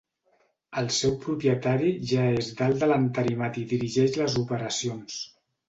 El seu propietari ja és dalt de l'entarimat i dirigeix les operacions.